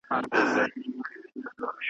خدای د عقل په تحفه دی نازولی .